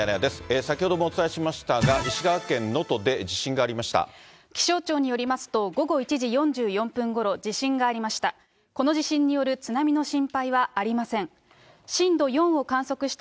先ほどもお伝えしましたが、気象庁によりますと、午後１時４４分ごろ、地震がありました。